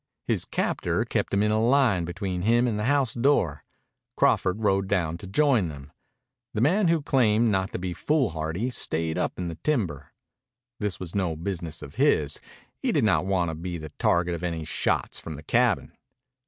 His captor kept him in a line between him and the house door. Crawford rode down to join them. The man who claimed not to be foolhardy stayed up in the timber. This was no business of his. He did not want to be the target of any shots from the cabin.